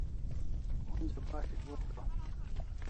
Onja bas'ik bo praw